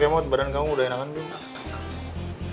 kemot badan kamu udah enakan belum